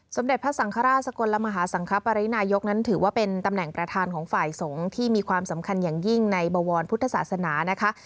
สมเด็จพระสังฆราชสกลมหาสังคปรินายกนั้นถือว่าเป็นตำแหน่งประธานของฝ่ายสงฆ์ที่มีความสำคัญอย่างยิ่งในบวรพุทธศาสนานะคะ